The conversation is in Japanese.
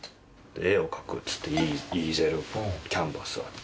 絵を描くっつってイーゼルキャンバス。